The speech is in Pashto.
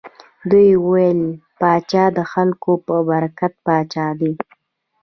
دوی ویل پاچا د خلکو په برکت پاچا دی.